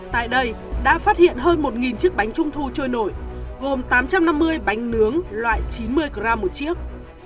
tại đây đã phát hiện hơn một chiếc bánh trung thu trôi nổi gồm tám trăm năm mươi bánh nướng loại chín mươi g một chiếc